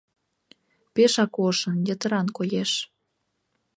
— Пешак ошын, йытыран коеш.